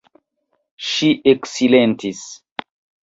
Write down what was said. Ŝi eksilentis.